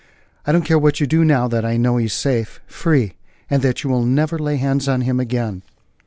"I don't care what you do now that I know he is safe free and that you will never lay hands on him again."